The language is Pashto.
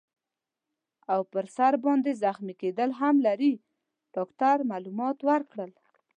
او پر سر باندي زخمي کیدل هم لري. ډاکټر معلومات ورکړل.